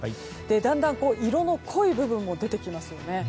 だんだん色の濃い部分も出てきますよね。